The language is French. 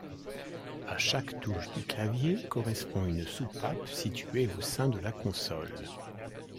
À chaque touche du clavier correspond une soupape située au sein de la console.